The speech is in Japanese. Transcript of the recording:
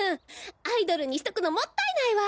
アイドルにしとくのもったいないわ！